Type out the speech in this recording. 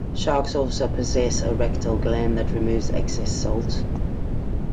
Sharks also possess a rectal gland that removes excess salt.